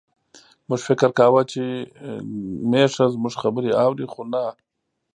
موږ فکر کاوه چې میښه زموږ خبرې اوري، خو نه.